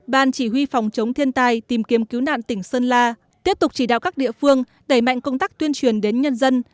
ban chỉ huy phòng chống thiên tai tìm kiếm cứu nạn tỉnh sơn la tiếp tục chỉ đạo các địa phương đẩy mạnh công tác tuyên truyền đến nhân dân